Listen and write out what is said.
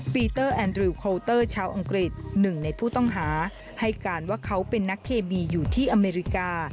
ปีเตอร์แอนดริวโคลเตอร์ชาวอังกฤษหนึ่งในผู้ต้องหาให้การว่าเขาเป็นนักเคมีอยู่ที่อเมริกา